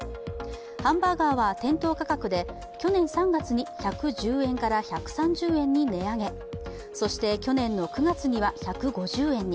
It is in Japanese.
ハンバーガーは店頭価格で去年３月に１１０円から１３０円に値上げそして去年の９月には１５０円に。